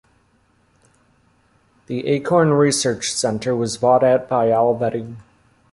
The Acorn Research Centre was bought out by Olivetti.